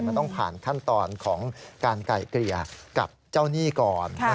มันต้องผ่านขั้นตอนของการไก่เกลี่ยกับเจ้าหนี้ก่อน